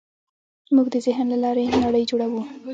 موږ د ذهن له لارې نړۍ جوړوو.